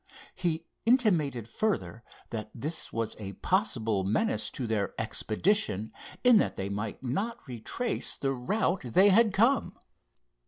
He intimated further that this was a possible menace to their expedition, in that they might not retrace the route they had come.